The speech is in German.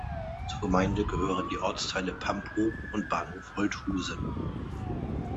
Zur Gemeinde gehören die Ortsteile Pampow und Bahnhof Holthusen.